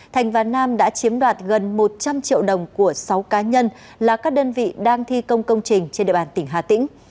thành và nam đã chiếm đoạt gần một trăm linh triệu đồng của sáu cá nhân là các đơn vị đang thi công công trình trên địa bàn tỉnh hà tĩnh